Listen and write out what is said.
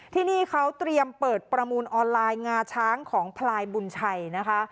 ที่นี่เขาเตรียมเปิดประมูลออนไลน์งาช้างของพลายบุญชัยนะคะ